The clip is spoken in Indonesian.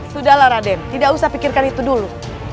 sudahlah raden tidak usah pikirkan itu dulu